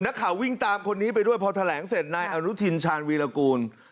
นักข่าววิ่งตามคนนี้ไปด้วยพอแถลงเสร็จนายอนุทินชาญวีรกูล